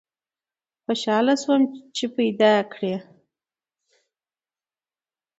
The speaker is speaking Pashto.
خوشحاله سوم چي پیداکړې